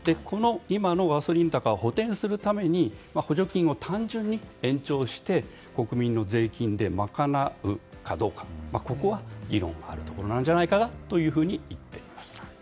今のガソリン高を補填するために補助金を単純に延長して国民の税金で賄うかどうかここは議論はあるところじゃないかと言っています。